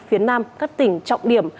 phía nam các tỉnh trọng điểm